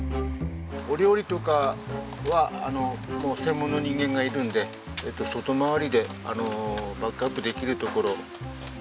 お料理とかは専門の人間がいるんで外回りでバックアップできるところを。